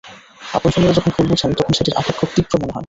আপনজনেরা যখন ভুল বোঝেন, তখন সেটির আঘাত খুব তীব্র মনে হয়।